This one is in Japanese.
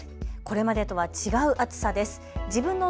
これまでとは違う暑さです。